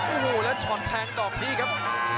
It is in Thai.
โอ้โหแล้วช็อตแทงดอกนี้ครับ